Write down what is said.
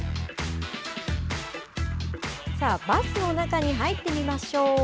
さあ、バスの中に入ってみましょう。